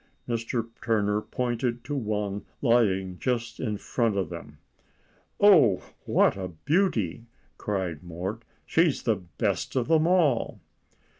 Mr. Turner pointed to one lying just in front of them. "Oh, what a beauty!" cried Mort. "She's the best of them all."